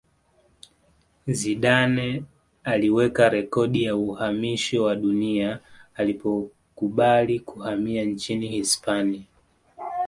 zidane aliweka rekodi ya uhamisho wa dunia alipokubali kuhamia nchini hispania